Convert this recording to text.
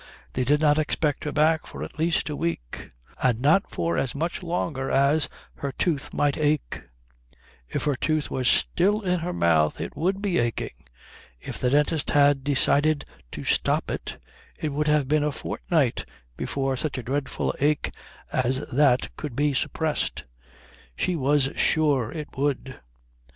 They did not expect her back for at least a week, and not for as much longer as her tooth might ache. If her tooth were still in her mouth it would be aching. If the dentist had decided to stop it, it would have been a fortnight before such a dreadful ache as that could be suppressed, she was sure it would.